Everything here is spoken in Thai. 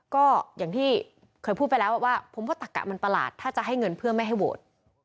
ก็อย่างที่เคยพูดไปแล้วว่าผมว่าตักกะมันประหลาดถ้าจะให้เงินเพื่อไม่ให้โหวต